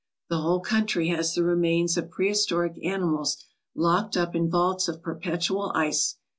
The whole country has the remains of prehistoric animals locked up in vaults of perpetual ice.